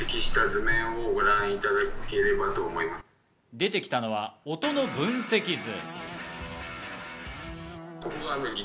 出てきたのは音の分析図。